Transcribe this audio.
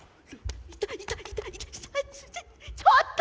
ちょっと！